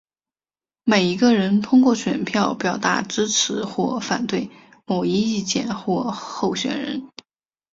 每一个人通过选票表达支持或反对某一意见或候选人。